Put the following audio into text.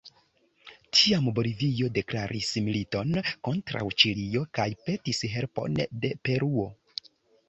Tiam Bolivio deklaris militon kontraŭ Ĉilio kaj petis helpon de Peruo.